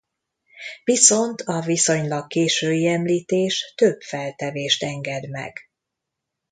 Viszont a viszonylag késői említés több feltevést enged meg.